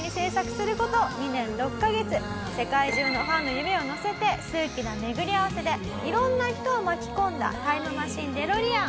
世界中のファンの夢をのせて数奇な巡り合わせで色んな人を巻き込んだタイムマシンデロリアン。